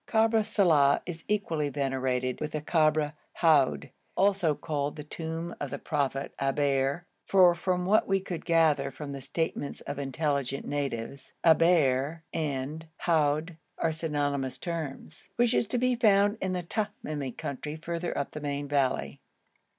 Kabr Saleh is equally venerated with the Kabr Houd, also called the tomb of the prophet Eber (for, from what we could gather from the statements of intelligent natives, Eber and Houd are synonymous terms) which is to be found in the Tamimi country further up the main valley.